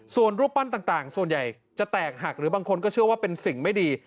ส่วนรูปปั้นต่างส่วนใหญ่จะแตกหักหรือบางคนก็เชื่อว่าเป็นสิ่งไม่ดี